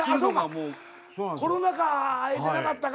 コロナ禍会えてなかったから。